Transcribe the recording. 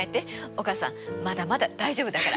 お母さんまだまだ大丈夫だから。